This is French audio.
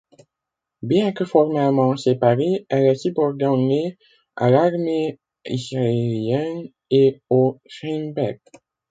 Bien que formellement séparée, elle est subordonnée à l'Armée israélienne et au Shin Bet.